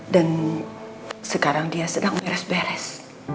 dan sekarang dia sedang beres beres